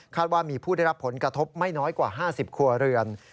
ว่ามีผู้ได้รับผลกระทบไม่น้อยกว่า๕๐ครัวเรือน